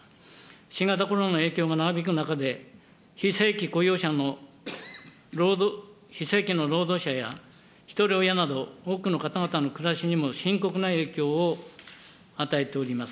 新型コロナの影響が長引く中で、非正規雇用者の、非正規の労働者や、ひとり親など多くの方々の暮らしにも深刻な影響を与えております。